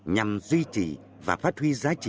nhằm duy trì và phát huy giá trị